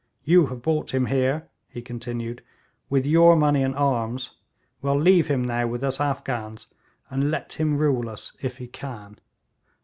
You have brought him here,' he continued, 'with your money and arms. Well, leave him now with us Afghans, and let him rule us if he can.'